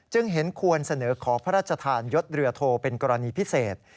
เห็นควรเสนอขอพระราชทานยศเรือโทเป็นกรณีพิเศษ